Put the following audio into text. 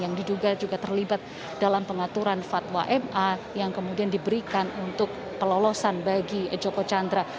yang diduga juga terlibat dalam pengaturan fatwa ma yang kemudian diberikan untuk pelolosan bagi joko chandra